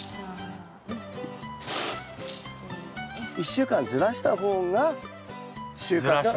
１週間ずらした方が収穫が。